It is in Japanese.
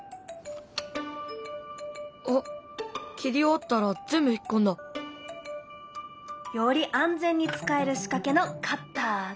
あっ切り終わったら全部引っ込んだ。より安全に使える仕掛けのカッターだよ。